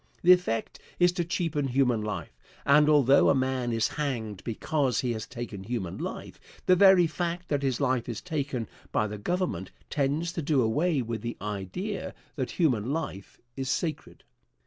The effect is to cheapen human life; and, although a man is hanged because he has taken human life, the very fact that his life is taken by the Government tends to do away with the idea that human life is sacred.